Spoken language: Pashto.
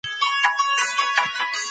ایا په هېواد کي د پنبي کرکیله ښه وه؟